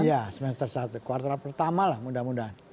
iya semester satu kuartal pertama lah mudah mudahan